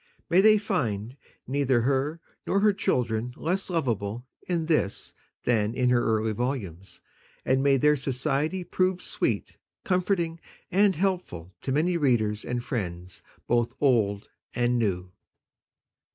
May they find neither her nor her children less lovable in this, than in the earlier volumes, and may their society prove sweet, comforting and helpful to many readers and friends both old and new.